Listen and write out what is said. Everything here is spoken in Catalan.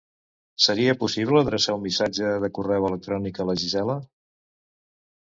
Seria possible adreçar un missatge de correu electrònic a la Gisela?